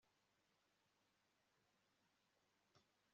amerika yatangaje ku mugaragaro ko ibintu byihutirwa